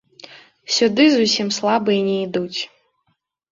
Сюды зусім слабыя не ідуць.